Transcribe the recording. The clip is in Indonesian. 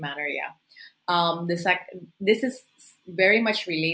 ini sangat berkaitan dengan